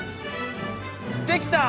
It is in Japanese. できた！